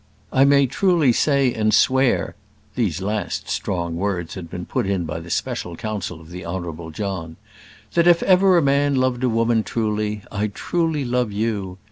I may truly say, and swear [these last strong words had been put in by the special counsel of the Honourable John], that if ever a man loved a woman truly, I truly love you.